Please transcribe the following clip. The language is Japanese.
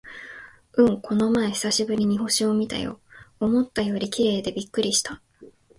うん、この前久しぶりに星を見たよ。思ったより綺麗でびっくりした！